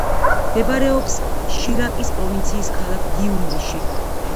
მდებარეობს შირაკის პროვინციის ქალაქ გიუმრიში.